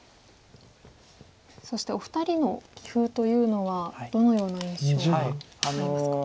そしてお二人の棋風というのはどのような印象がありますか？